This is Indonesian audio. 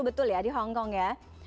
betul ya di hongkong ya